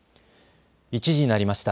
１時になりました。